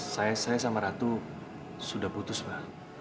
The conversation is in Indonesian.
saya sama ratu sudah putus pak